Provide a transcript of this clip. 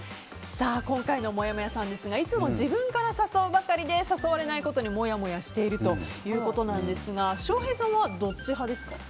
今回のもやもやさんですがいつも自分から誘うばかりで誘われないことにもやもやしているということなんですが翔平さんはどっち派ですか？